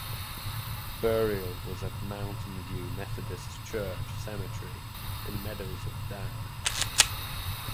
Burial was at Mountain View Methodist Church cemetery in Meadows of Dan.